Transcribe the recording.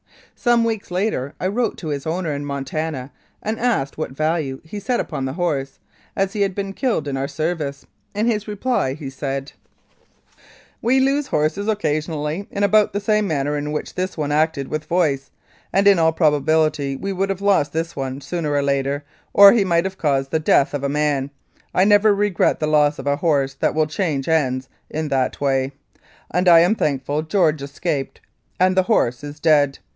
Some weeks later I wrote to his owner in Montana, and asked what value he set upon the horse, as he had been killed in our service. In his reply, he said : "We lose horses occasionally in about the same manner in which this one acted with Voice, and in all probability we would have lost this one sooner or later, or he might have caused the death of a man. I never regret the loss of a horse that will change ends in that way, and I am thankful George escaped and the horse is dead.